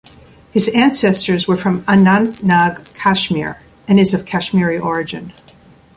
His ancestors were from Anantnag, Kashmir and is of Kashmiri origin.